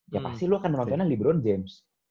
ya pasti lo akan menontonnya lebron james